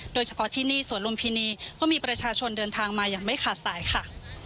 โดยเฉพาะที่นี่สวนลุมพินีก็มีประชาชนเดินทางมาอย่างไม่ขาดสายค่ะ